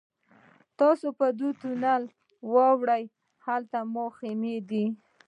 تاسو په دې تونل ورواوړئ هلته مو خیمې دي.